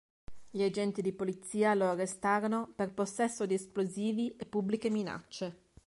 Gli agenti di polizia lo arrestarono per possesso di esplosivi e pubbliche minacce.